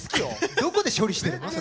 どこで処理してんの？